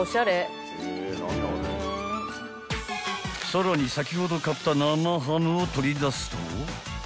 ［さらに先ほど買った生ハムを取り出すと］